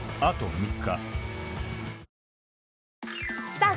さあ